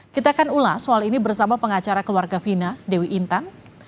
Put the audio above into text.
kita akan ulas soal ini bersama pengacara keluarga fina dewi intan